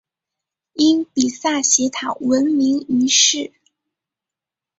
因比萨斜塔闻名于世。